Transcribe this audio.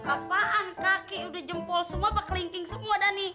apaan kakek udah jempol semua kelingking semua dhani